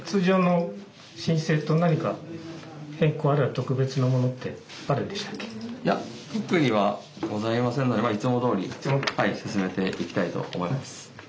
特にはございませんのでいつもどおり進めていきたいと思います。